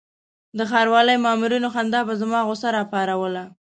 د ښاروالۍ مامورینو خندا به زما غوسه راپاروله.